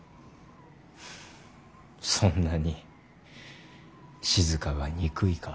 そんなに静が憎いか。